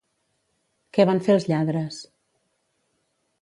Què van fer els lladres?